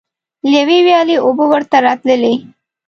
له یوې ویالې اوبه ورته راتللې.